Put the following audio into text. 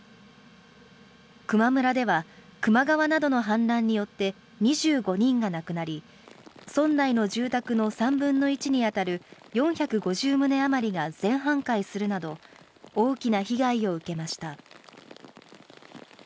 球磨村では、球磨川などの氾濫によって、２５人が亡くなり、村内の住宅の３分の１に当たる４５０棟余りが全半壊するなど、大きな被害を受けました。